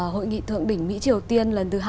hội nghị thượng đỉnh mỹ triều tiên lần thứ hai